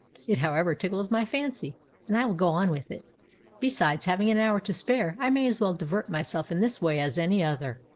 It, however, tickles my fancy, and I will go on with it. Besides, having an hour to spare, I may as well divert myself in this way as any other."